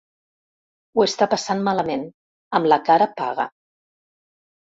Ho està passant malament. Amb la cara paga.